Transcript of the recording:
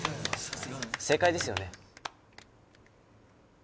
正解ですよね？